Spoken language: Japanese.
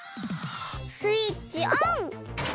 スイッチオン！